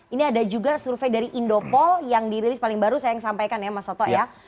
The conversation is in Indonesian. ini ada juga survei dari indopol yang dirilis paling baru saya yang sampaikan ya mas soto ya